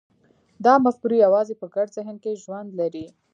دا مفکورې یوازې په ګډ ذهن کې ژوند لري.